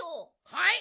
はい？